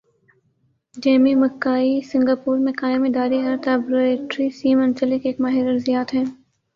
Jamie مک کائی Singapore میں قائم اداری ارتھ آبرو یٹری سی منسلک ایک ماہر ارضیات ہیں۔